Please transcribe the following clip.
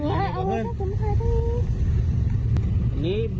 ราวนี้สมมติด้วย